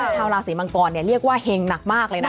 ชาวราศีมังกรเรียกว่าเห็งหนักมากเลยนะ